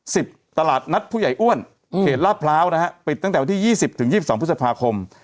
ตลาดนัดผู้ใหญ่อ้วนอืมเขตลาดพร้าวนะฮะปิดตั้งแต่วันที่ยี่สิบถึงยี่สิบสองพฤษภาคม